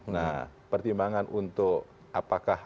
nah pertimbangan untuk apakah